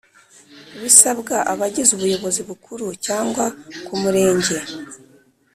Ibisabwa abagize ubuyobozi bukuru cyangwa kumurenge